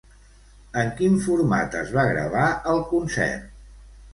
En quin format es va gravar el concert?